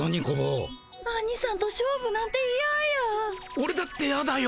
オレだってヤだよ。